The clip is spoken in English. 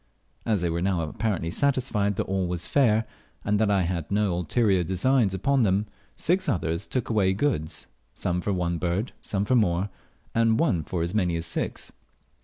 As they were now apparently satisfied that all was fair, and that I had no ulterior designs upon them, six others took away goods; some for one bird, some for more, and one for as many as six.